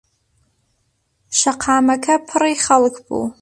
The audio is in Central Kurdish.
شەقاکەمە پڕی خەڵک بوو.